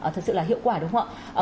thật sự là hiệu quả đúng không ạ